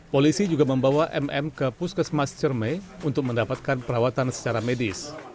polisi juga membawa mm ke puskesmas cermai untuk mendapatkan perawatan secara medis